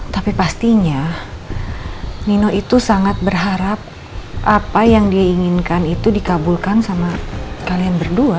tapi pastinya nino itu sangat berharap apa yang dia inginkan itu dikabulkan sama kalian berdua